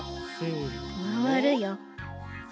まわるよ。